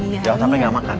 jangan sampai nggak makan